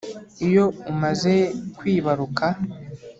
Iyo umaze kwibaruka